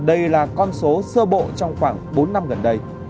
ở thành phố sơ bộ trong khoảng bốn năm gần đây